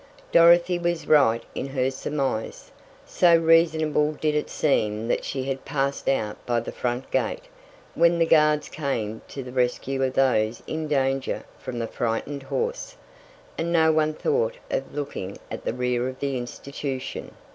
Dorothy was right in her surmise. So reasonable did it seem that she had passed out by the front gate, when the guards came to the rescue of those in danger from the frightened horse, that no one thought of looking at the rear of the institution.